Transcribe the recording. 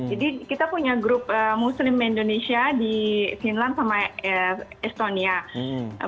kita punya grup muslim indonesia di finland sama estonia